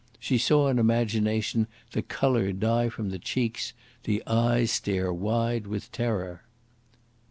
She saw in imagination the colour die from the cheeks, the eyes stare wide with terror.